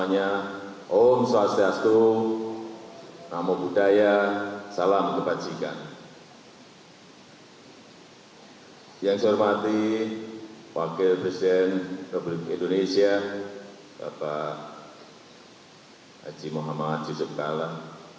yang saya hormati wakil presiden republik indonesia bapak haji muhammad yusuf kalla